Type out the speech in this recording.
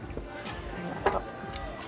ありがとう。